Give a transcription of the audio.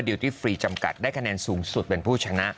ที่ฟรีจำกัดได้คะแนนสูงสุดเป็นผู้ชนะ